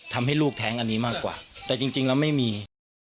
ทำให้ลูกแท้งอันนี้มากกว่าแต่จริงแล้วไม่มี